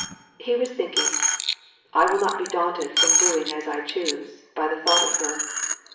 He was thinking, "I will not be daunted from doing as I choose by the thought of her.